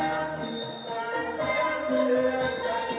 การทีลงเพลงสะดวกเพื่อความชุมภูมิของชาวไทย